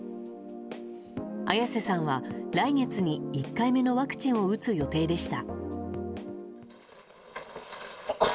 綾瀬さんは、来月に１回目のワクチンを打つ予定でした。